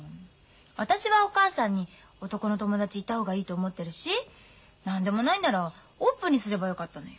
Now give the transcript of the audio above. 私はお母さんに男の友達いた方がいいと思ってるし何でもないんならオープンにすればよかったのよ。